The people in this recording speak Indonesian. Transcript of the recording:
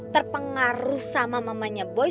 terpengaruh sama mamanya boy